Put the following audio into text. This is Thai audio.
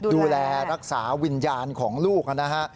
ดูแลรักษาวิญญาณของลูกนะฮะ